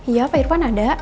iya pak irvan ada